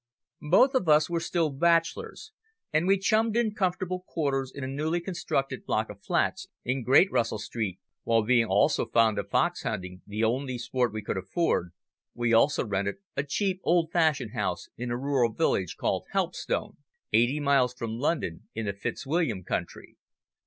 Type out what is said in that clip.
Both of us were still bachelors, and we chummed in comfortable chambers in a newly constructed block of flats in Great Russell Street, while, being also fond of fox hunting, the only sport we could afford, we also rented a cheap, old fashioned house in a rural village called Helpstone, eighty miles from London, in the Fitzwilliam country.